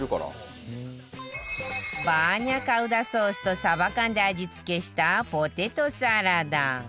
バーニャカウダソースとサバ缶で味付けしたポテトサラダ